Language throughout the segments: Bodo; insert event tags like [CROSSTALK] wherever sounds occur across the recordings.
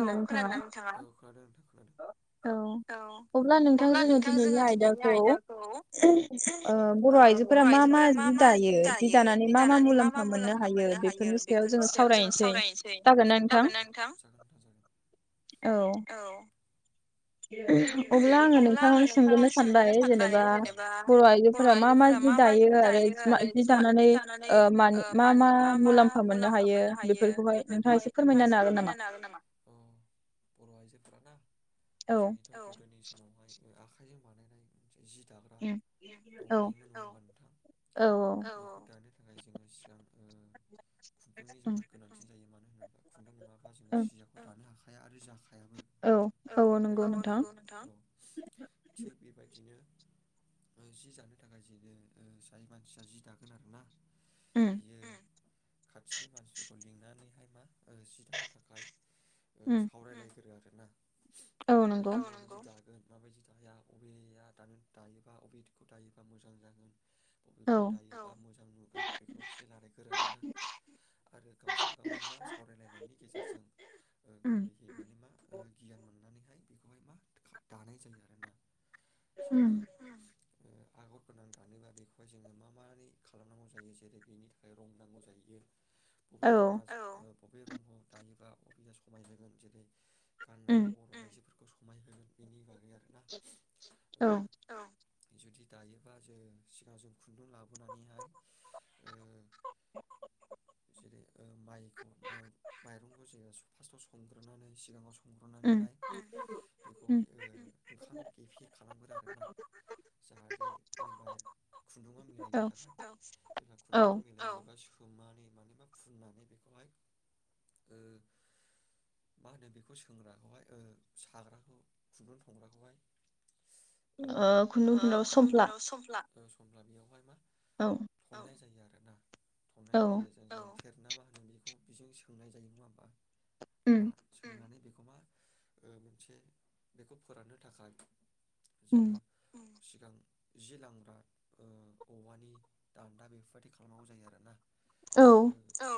औ खोनादोंना नोंथाङा औ अब्ला नोंथां जोङो दिनैनि आयदाखौ बर' आइजोफोरा मा मा जि दायो जि दानानै मा मा मुलाम्फा मोननो हायो बेफोरनि सायाव जोङो सावरायनोसै जागोन ना नोंथां औ अब्ला आंङो नोंथांनावनो सोंग्रोनो सानबाय जेनेबा बर' आइजोफोरा मा मा जि दायो आरो जि दानानै म मा मा मुलाम्फा मोननो हायो बेफोरखौहाय नोंथाङा एसे फोरमायना होनो हागोन नामा औ गोदोनि समावहाय [INAUDIBLE] आखाइजों बानायनाय जि दाग्रा दंखायोमोन नोंथां [INAUDIBLE] [INAUDIBLE] बिनि थाखाय जोंङो सिगां। खुन्दुंनि जोबोद गोनांथि जायो माने। खुन्दुं नङा। [INAUDIBLE] हाया आरो जेनेबा। औ औ नंगौ नोंथां। बिबायदि। बिदिनो जि जानो थाखाय जोंनो जाय मानसिया जि दागोन आरो ना। बियो खाथिनि मानसिखौ लिंनानै। सि दानो थाखाय सावरायनाया गोनां आरो। [INAUDIBLE] औ नंगौ। माबायदि दायो बबेया दानो दायोबा अबेखौ दायोबा मोजां जागोन। बबेखौ दायोब्ला मोजां नुगोन बेखौ एसे सोंना लानाया गोनां आरोना आरो गावजों गावनि मा सावरायलायनायनि गेजेरजों गोरलैयै माने मा गियान मोननो। बेखौहाय मा दानाय जायो आरो ना। औ। आगर गोनां दानोबा बेखौहाय जोंङो मा खालामनांगौ जायो जेरै बेनि थाखाय रं नांगौ जायो। औ। बबे रंखौ दायोबा बांसिन समायगोन जेरै। गाननायाव। खौ समायहोगोन बेनि बागै आरोना। औ। जुदि दायोबा जों सिगाङाव जों खुन्दुं लाबोनानैहाय जेरै माइखौ माइरंखौ जोंङो फार्स्टआव संग्रोनानै सिगाङाव। बेखौहाय ओंखाम गेफि खालामग्रोना आरोना जाहाथे खुन्दुंआव मिलायैनि थाखाय जेब्ला खुन्दुंङा मिला। सोमनानै माने मा फुननानै बेखौहाय मा होनो बेखौ सोंग्राखौहाय। साग्राखौ खुन्दुं संग्राखौहाय। खुन्दुं थुनग्रायाव समफ्ला। समफ्ला बेयावहाय मा। जों। [UNINTELLIGIBLE] औ थेर ना मा होनो बेखौ बिजों सोंनाय जायो नङा होमबा? ला सोनानै बे ओ मोनसे बेखौ फोराननो थाखाय उम। सिगां जि लामग्रा ओ औवानि दान्दा बेफोरबायदि खालामनांगौ जायो आरोना। ओ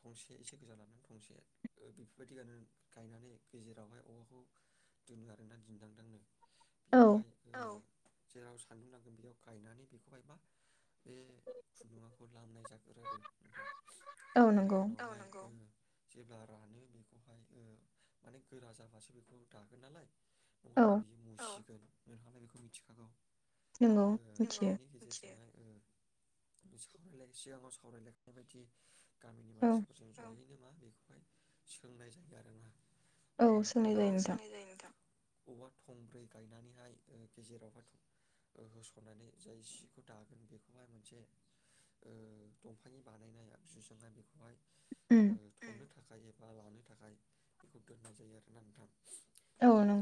थंसे एसे गोजा लानानै थंसे ओ बेफोरबायदि गनानै गायनानै गेजेरावहाय औवाखौ दोनो आरो ना दिन्दांदांनो। बेयावहाय‌ जेराव सान्दुं नांगोन बेयाव गायनानै बेखौहाय मा बे खुन्दुङाखौ लामाय जागोरो आरो नोंथां बिनि उनाव जों जेब्ला रानो बेखौहाय ओ माने गोरा जाबा मासे बेखौ दागोन नालाय नङाबा बियो बुसिगोन नोंहालाय बेखौ मिथिखागौ। नोंंगौ मिथियो। ओ सावरायलाय सिगाङाव सावरायलायखानाय बायदि गामिनि मानसिफोरजों जयैनो मा बेखौहाय सोंनाय जायो आरोना। औ सो औ सोंनाय जायो नोंथां। औवा थंब्रै गायनानैहाय गेजेरावहाय ओ होस'नानै जाय सिखौ दागोन बेखौहाय मोनसे ओ दंफांनि बानायनाया आगजुजोंहाय बेखौहाय ओ थाखाय हेफा लानो थाखाय बेखौ दोननाय जायो आरो। नोंथां।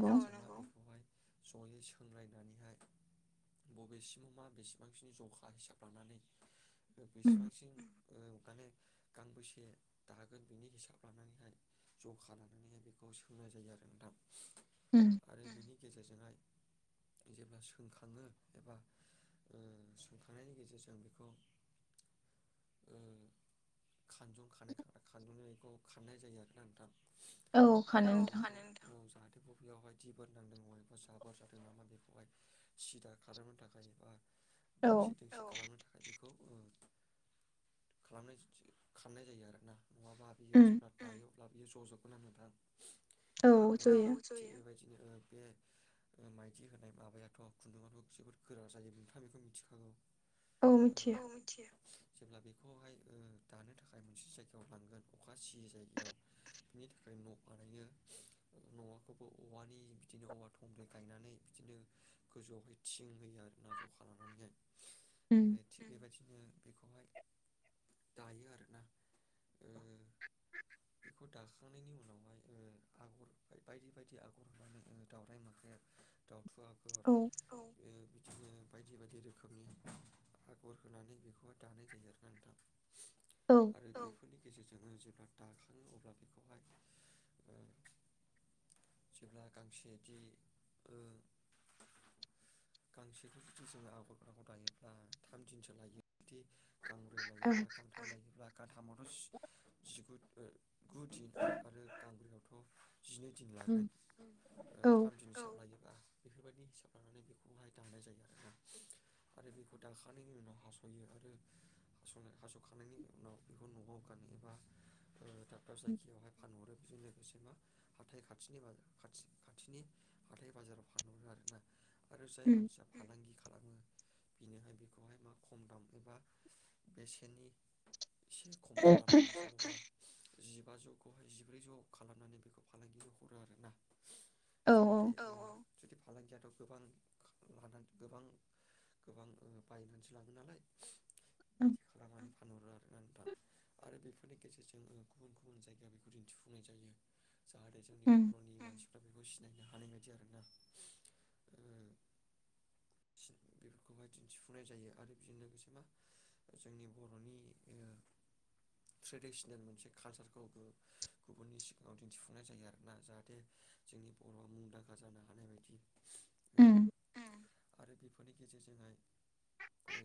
[UNINTELLIGIBLE] औ नंगौ जयै सोंलायनानैहाय बबेसिमाव मा बेसेबांसिनि जखा हिसाब लांनानै बेसबांसिम ओ मान गांबेसे दागोन बिनि हिसाब लानानैहाय जखा लानानैहाय बेखौ बुंनाय जायो आरो नोंथां। उम। गेजेरजोंहाय जेब्ला सोंखाङो एबा ओ सोंखांनायनि गेजेरजों बेखौ ओ खानजं खानायखानग्रा खानजंजों एखौ खाननाय जायो आरोना नोंथां। औ खानो नोंथां। आरो बेयावहाय दिबोर नांदों बबेबा जाबोर जादों नामा बेखौहाय सिदा खालामनो थाखाय जेनबा दोंसे-दोंसे खालामनो थाखाय बेखौ खालामनो खालामनाय जायो आरोना। नङाबा बियो बेयो जो जोबगोन आरो नोंथां। औ जयो बिदिनो बे माइदि होनाय माबायाथ खुन्दुङाथ जोबोद गोरा जायो नोंथाङा बेखौ मिथिखागौ औ मिथियो जेब्ला बेखौहाय दानो थाखाय मोनसे जायगायाव लांगोन अखा सि जायगायाव बिनि थाखाय न बानायो न'खौबो औवानि बिदिनो औवा थंब्रै गायनानै बिदिनो गोजौआवहाय थिं होयो आरो ना ज खालामनानैहाय [UNINTELLIGIBLE] ओ बेखौहाय दायो आरोना ओ [UNINTELLIGIBLE] बेखौ दाखांनायनि उनावहाय ओ आगर बायदि बायदि आगर होनानो दाउरायाइ मोख्रे दाउ औ बिदिनो बायदि बायदि रोखोमनि आगर होनानै बेखौहाय दानाय जायो आरो नोंथां औ गेजेरजोंनो जेब्ला दाखाङो अब्ला बेखौहाय ओ जेब्ला गांसेदि-गांसेखौ जुदि जोंङो आगर-आगर दायोब्ला थाम दिनसो लायो। बिदि गांब्रै लायोब्ला गांथाम लायोब्ला [UNINTELLIGIBLE] [INAUDIBLE] गुदि थांथारो बियावथ जिनै दिन लागोन ओ थाम दिनसो बेफोरबायदि हिसाब लानानै बेखौहाय दाननाय जायो आरोना आरो बेखौ दाखांनायनि उनाव हास'यो आरो हास'खांनायनि उनाव बेखौ न'आव गानो एबा ओ दाब दाब जायगायावहाय फानहरो। [UNINTELLIGIBLE] बिसिर मा हाथाइ खाथिनि-खाथि-खाथिनि हाथाय बाजाराव फानहरो आरोना। आरो जाय मानसिया फालांगि खा लामो बिनिहाय बेखौहाय मा खम दाम एबा बेसेननि एसे खम खालामनानै जिबाजौखौहाय जिब्रैजौ खालामनानै बेखौ फालांगिनो हरो आरो ना। औ‌ औ जुदि फालांगियाथ गोबां लानानै गोबां गोबां बायनानैसो लाङो नालाय। बिदि खालामा फानहरो आरोना नोंथां आरो बेफोरनि गेजेरजोंबो नाङो गुबुन गुबुन जायगा बेखौ दिन्थिफु नाय जायो [UNINTELLIGIBLE] [INAUDIBLE] गुबुननि सिगाङाव दिन्थिफुंनाय जायो आरोना जाहाथे जोंनि बर'आ मुंदांखा जानो हानाय बायदि आरो बेफोरनि गेजेरजोंहाय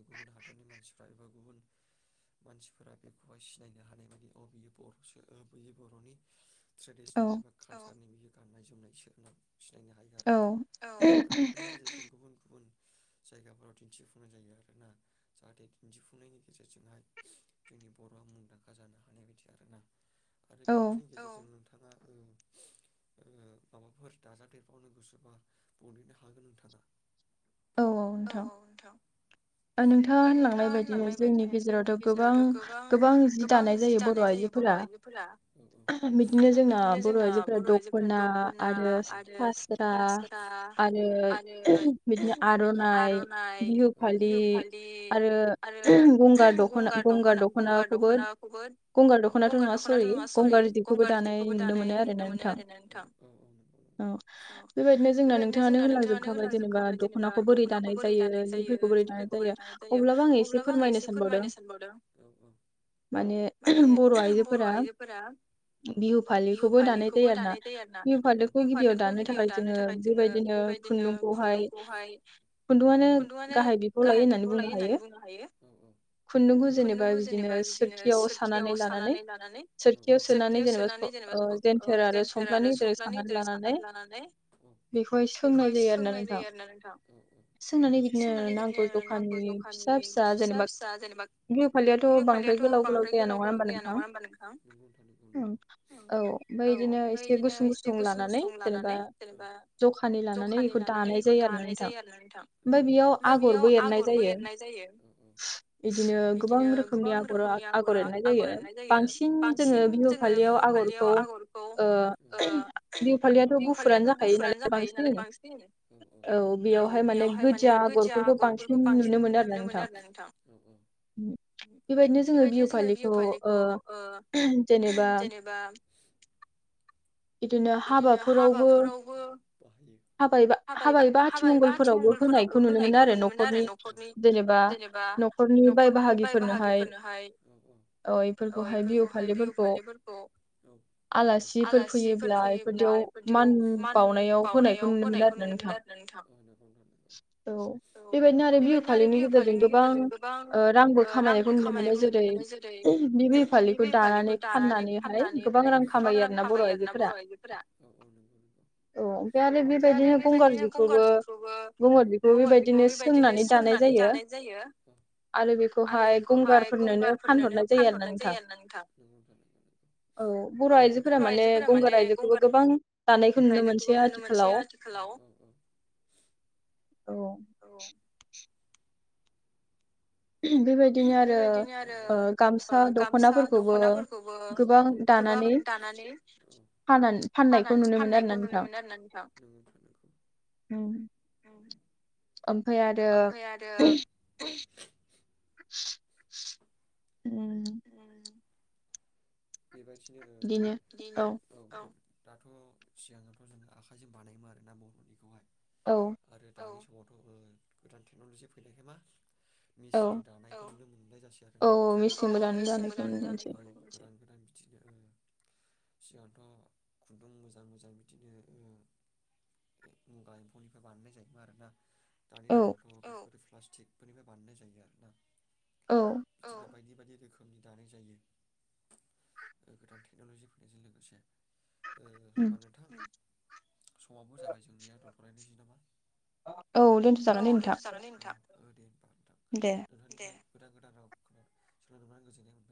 गुबुन हादरनि मानसिफ्रा एबा गुबुन मानसिफोरा बेखौहाय सिनायनो हानाय बदि अ बियो बर'सो ओ बैयो बर'नि [INAUDIBLE] औ [INAUDIBLE] [INAUDIBLE] औ गुबुन जायगाफोराव दिन्थिफुंनाय जायो आरोना जाहाथे दिन्थिफुंनायनि गेजेरजोंहाय जोंनि बर'आ मुंदांखा जानो हानाय बायदि आरोना [INAUDIBLE] औ [INAUDIBLE] औ औ नोंथां ओ नोंथाङा होनलांनाय बायदिनो जोंनि गेजेरावथ' गोबां गोबां जि दानाय जायो बर' आइजोफोरा बिदिनो जोंना बर' आइजोफोरा दख'ना आरो फास्रा आरो बिदिनो आर'नाइ बिहु फालि आरो गंगार दखना गंगार दख'नाखौबो गंगार दख'नाथ' नङा स गंगार जिखौबो दानाय नुनो मोनो आरो ना नोंथां औ बेबायदिनो जोंना नोंथाङानो होलांजोबखाबाय जेनेबा दख'नाखौ बोरै दानाय जायो जिफोरख ओ जि फोरखौ बोरै दानाय जायो अब्लाबो आं एसे फोरमायनो सानबावदों माने बर' आइजो फ फोरा बिहु फालिखौबो दानाय जायो आरो ना बिहु फालिखौ गिबियाव दानो थाखाय जोङो बेबायदिनो खुन्दुंखौहाय खुन्दुं मानो गाहाय बिफाव लायो होननानै बुंनो हायो खुन्दुंखौ जेनेबा बिदिनो सोरखियाव सानानै लानानै सोरखियाव सोनानै जेनेबा ओ जेेनथेर आरो समफ्लानि जेरै साननानै लानानै बेखौहाय सोंनाय जायो आरोना नोंथां सोंनानै बि सोंनानै बिदिनो नांगौ जखानि फिसा फिसा जेनेबा बिहु फालियाथ' बांद्राय गोलाव गोलाव जाया नङा होमबा नोंथां औ ओमफ्राय इदिनो एसे गुसुं गुसुं लानानै जेनेबा जखानि लानानै इखौ दानाय जायो आरोना नोंथां ओमफाय बेयाव आगरबो एरनाय जायो बिदिनो गोबां रोखोमनि आगर आगर एरनाय जायो बांसिन सिन जोङो बिहु फालियाव आगरखौ ओ बिहु फालियाथ' गुफुरानो जाखायो नालाय बांसिन औ बेयावहाय मान गोदजा आगरफोरखौ बांसिन नुनो मोनो आरोना नोंथां बेबायदिनो जोङो बिहु फालिखौ ओ जेनेबा इदिनो हाबाफोरावबो हाबा एबा हाबा एबा आथिमंगलफोरावबो फोरावबो होनायखौ नुनो मोनो आरो न'खरनि जेनेबा न'खरनि बाय बाहागिफोरनोहाय औ इफोर बाहाय बिहु फालिफोरखौ आलासिफोर फैयोब्ला बेफोरदियाव मान बावनायाव होनायखौ नुनो मोन आरो ना नोंथां। औ बेबायदिनो आरो बिहु फालिनि गेजेरजों गोबां ओ रांबो खामायनायखौ नुनो मोनो जेरै बे बिहु फालिखौ दा पालिखौ दानानै फाननानैहाय गोबां रां खामायो आरो ना बर' आइजोफोरा औ ओमफ्राय आरो बेबायदिनो गंगारखौ जिखौ गंगार जिखौ बेबायदिनो सोंनानै दानाय जायो आरो बेखौहाय गंगारफोरनोनो फानहरनाय जायो आरोना नोंथां। औ बर'आइजोफोरा माने गंगार आइजोखौबो गोबां आयजोखौबो नुनो मोनसै आथिखालाव औ। बेबायदिनो आरो गामसा दख'नाफोरखौबो गोबां दानानै फ फाननायखौ नुनो मोनो आरो ना नोंथां। ओमफाय आरो बेबायदिनो दिनो औ औ दाथ' सिगाङावथ' जों आखाइजों बानायोमोन आरोना बर'निखौहाय आरो औ समावथ' गोदान टेक्न'ल'जि फैनायखाय मा मेचिनजों दानायखौनो मोननाय जासै आरो ना औ मेसिनजोंबो दा जानायखौ नुनो मोनसै आरो बिदिनो सिगांथ' खुन्दुं मोजां मोजां बिदिनो मुगा एम्फौनिफ्राय बानायनाय जायोमोन आरोना। दानि थाइमआवथ' औ प्लास्टिकफोरनिफ्राय बानायनाय जायो आरो ना। औ। बे बादि रोखोमनि दानाय जायो। गोदान टेक्न'लजि फैनायजों लोगोसे मानोथो समाबो जाबाय जोंनिया दोनथ'लायनोसै नामा? औ दोनथ' जानानै नोंथां। दे बिराद गोदान राव सोनानै गोजोननाय